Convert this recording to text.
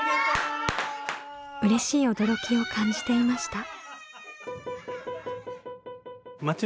うれしい驚きを感じていました。